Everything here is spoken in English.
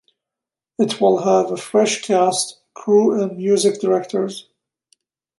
It will have a fresh cast, crew and music directors.